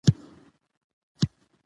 ګوسپلن د پلان جوړونې یو پیاوړی بنسټ و